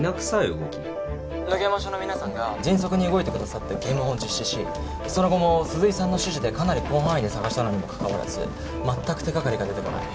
野毛山署の皆さんが迅速に動いてくださって検問を実施しその後も鈴井さんの指示でかなり広範囲で捜したのにもかかわらずまったく手掛かりが出てこない。